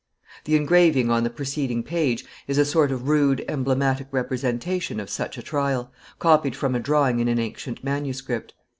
The engraving on the preceding page is a sort of rude emblematic representation of such a trial, copied from a drawing in an ancient manuscript.